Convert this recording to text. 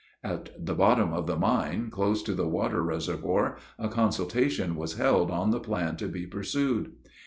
At the bottom of the mine, close to the water reservoir, a consultation was held on the plan to be pursued.